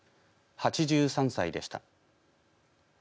８３歳でした。